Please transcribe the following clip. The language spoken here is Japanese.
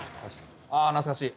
ああ懐かしい。